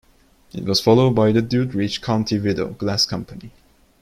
It was followed by the Doddridge County Window Glass Company.